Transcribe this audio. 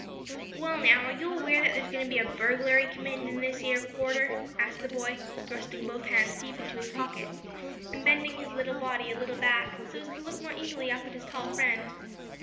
"Well, now, are you aweer that there's a goin' to be a burglairy committed in this 'ere quarter?" asked the boy, thrusting both hands deep into his pockets, and bending his body a little back, so as to look more easily up at his tall friend.